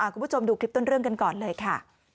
คุณผู้ชมดูคลิปต้นเรื่องกันก่อนเลยค่ะ